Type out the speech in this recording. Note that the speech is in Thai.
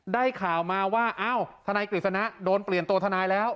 ได้ข่าวมาว่าอ้าวทนายกฤษณะโดนเปลี่ยนตัวทนายแล้ว